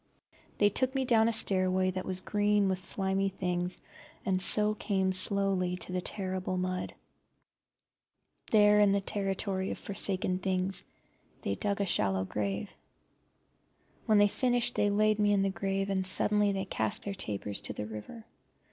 They took me down a stairway that was green with slimy things, and so came slowly to the terrible mud. There, in the territory of forsaken things, they dug a shallow grave. When they had finished they laid me in the grave, and suddenly they cast their tapers to the river.